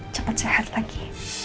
cepat sehat lagi